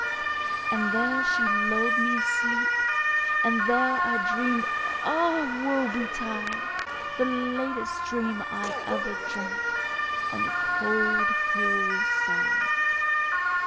And there she lulled me asleep, And there I dream'd, Ah Woe betide, The latest dream I ever dreamt On the cold hill side.